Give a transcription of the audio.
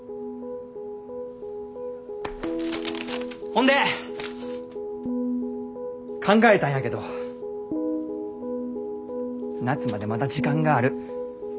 ほんで考えたんやけど夏までまだ時間がある。